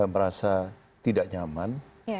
merasa tidak nyaman